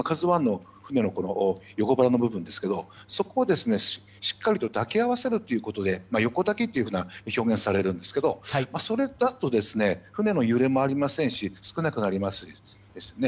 「ＫＡＺＵ１」の横腹の部分ですがそこをしっかりと抱き合わせることで横抱きというふうな表現をされるんですがそれだと船の揺れも少なくなりますよね。